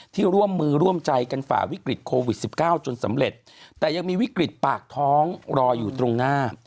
ร่วมมือร่วมใจกันฝ่าวิกฤตโควิด๑๙จนสำเร็จแต่ยังมีวิกฤตปากท้องรออยู่ตรงหน้า